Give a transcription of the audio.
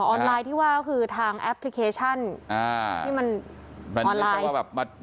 อ๋อออนไลน์ที่ว่าคือทางแอปพลิเคชันที่มันออนไลน์